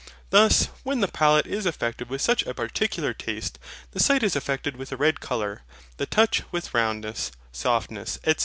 Thus, when the palate is affected with such a particular taste, the sight is affected with a red colour, the touch with roundness, softness, &c.